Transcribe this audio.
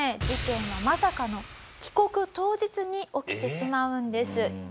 事件はまさかの帰国当日に起きてしまうんです。